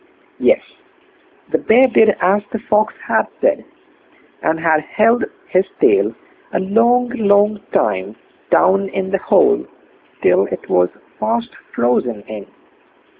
Yes; the Bear did as the Fox had said, and held his tail a long, long time down in the hole, till it was fast frozen in.